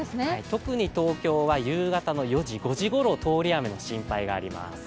特に東京は夕方の４時、５時ごろに通り雨の心配があります。